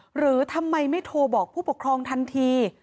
หรือทำไมไม่โทรบอกผู้ปกครองทันที